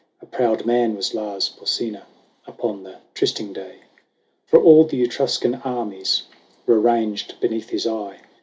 A proud man was Lars Porsena Upon the trysting day. XII. For all the Etruscan armies Were ranged beneath his eye.